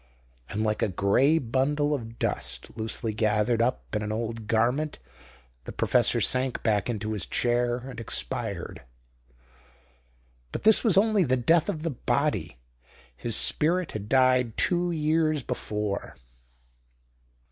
And like a grey bundle of dust loosely gathered up in an old garment the professor sank back into his chair and expired. But this was only the death of the body. His spirit had died two years before.